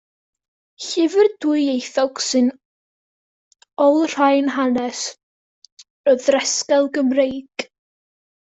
Llyfr dwyieithog sy'n olrhain hanes y Ddresel Gymreig.